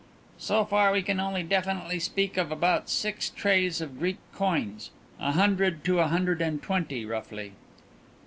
"So far we can only definitely speak of about six trays of Greek coins a hundred to a hundred and twenty, roughly."